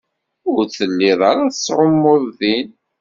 Ur tellid ara tettɛumud din.